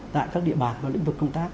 tại các địa bàn và lĩnh vực công tác